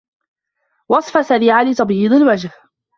وصفة سريعة لتبييض الوجه